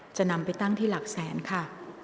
จะนำไปตั้งที่หลักแสนค่ะ